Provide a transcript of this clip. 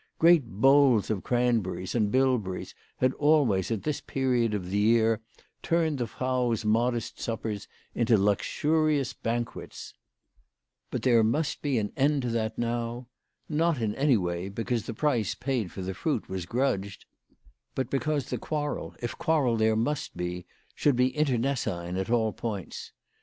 Great bowls of cranberries and bilberries had always at this period of the year turned the Frau's modest suppers into luxurious banquets. Bilt there must be an end to that now ; not in any way because the price paid for the 56 WHY FEATJ FEOHMANN RAISED HER PRICES. fruit was grudged, but because the quarrel, if quarrel there must be, should be internecine at all points.